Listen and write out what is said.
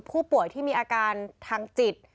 ผู้ป่วยที่มีอาการทางจิต